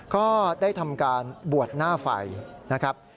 ก็ได้ทำการบวชหน้าไฟนะครับ